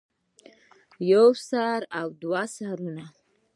يو سر او دوه سرونه